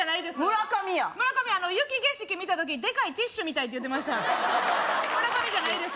村上や村上雪景色見た時でかいティッシュみたいって言ってました村上じゃないです